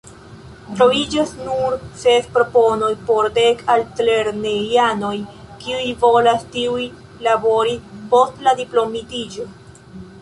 Troviĝas nur ses proponoj por dek altlernejanoj, kiuj volas tuj labori post la diplomitiĝo.